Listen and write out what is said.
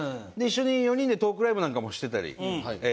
一緒に４人でトークライブなんかもしてたり。